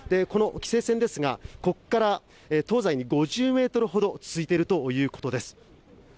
この規制線ですが、ここから東西に５０メートルほど続いているということです。